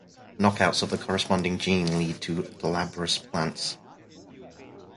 Knockouts of the corresponding gene lead to glabrous plants.